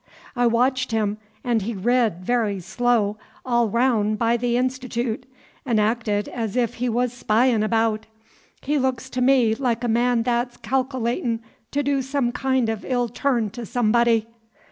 I watched him, 'n' he rid, very slow, all raoun' by the Institoot, 'n' acted as ef he was spyin' abaout. He looks to me like a man that's calc'latin' to do some kind of ill turn to somebody.